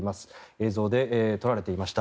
映像で撮られていました。